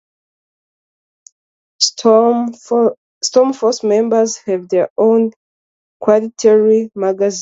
Storm Force members have their own quarterly magazine.